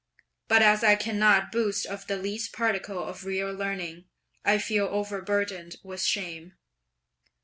But as I cannot boast of the least particle of real learning, I feel overburdened with shame!"